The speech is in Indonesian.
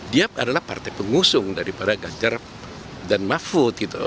dia adalah partai pengusung daripada ganjar dan mahfud gitu